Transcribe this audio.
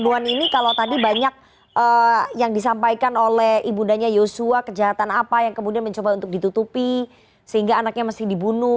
kebohan ini kalau tadi banyak yang disampaikan oleh ibundanya yosua kejahatan apa yang kemudian mencoba untuk ditutupi sehingga anaknya mesti dibunuh